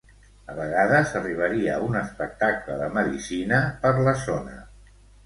A vegades arribaria un espectacle de medicina per la zona.